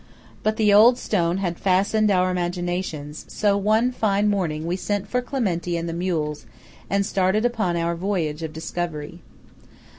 But the old stone had fascinated our imaginations; so one fine morning we sent for Clementi and the mules, and started upon our voyage of discovery.